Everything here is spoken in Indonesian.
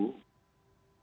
dan harus presisi